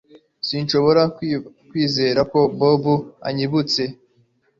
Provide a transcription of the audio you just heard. Sinshobora kwizera ko Bobo anyibutse